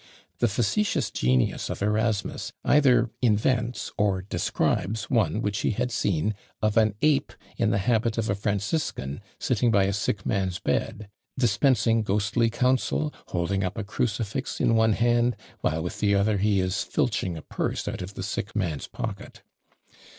The facetious genius of Erasmus either invents or describes one which he had seen of an ape in the habit of a Franciscan sitting by a sick man's bed, dispensing ghostly counsel, holding up a crucifix in one hand, while with the other he is filching a purse out of the sick man's pocket.